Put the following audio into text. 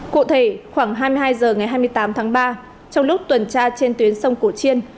cụ thể khoảng hai mươi hai h ngày hai mươi tám tháng ba trong lúc tuần tra trên tuyến sông cổ chiên